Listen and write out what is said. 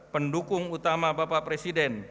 pendukung utama bapak presiden